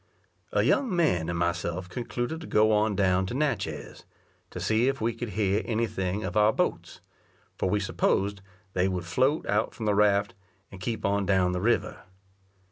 A young man and myself concluded to go on down to Natchez, to see if we could hear any thing of our boats; for we supposed they would float out from the raft, and keep on down the river.